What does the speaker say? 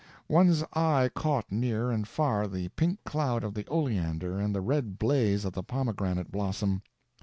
One's eye caught near and far the pink cloud of the oleander and the red blaze of the pomegranate blossom.